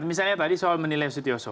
misalnya tadi soal menilai sutioso